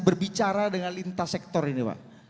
berbicara dengan lintas sektor ini pak